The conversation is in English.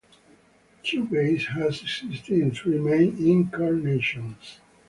Cubase has existed in three main incarnations.